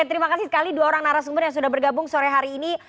terima kasih sekali dua orang narasumber yang sudah bergabung sore hari ini